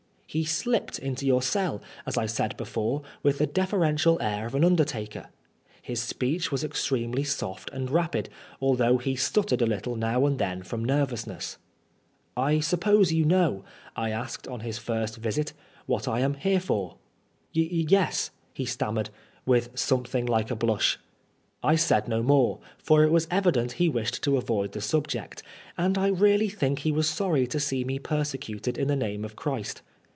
He slipped into your cell, as I said before, with the deferential air of an undertaker. His speech was extremely soft, and rapid, although he stuttered a little now and then from nervousness. "I suppose you know,'* I asked on his first visit, ^^ what I am here for ?" Y e s," he stammered, with something like a blush. I said no more, for it was evident he wished to avoid the subject, and I really think he was sorry to see me persecuted in the name of Christ.